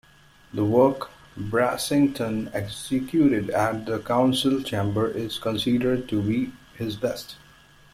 The work Brassington executed at the council chamber is considered to be his best.